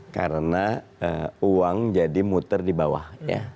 karena uang jadi muter di bawah ya